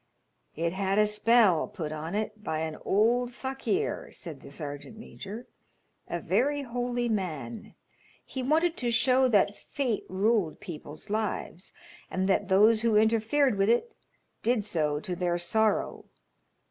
"It had a spell put on it by an old fakir," said the sergeant major, "a very holy man. He wanted to show that fate ruled people's lives, and that those who interfered with it did so to their sorrow.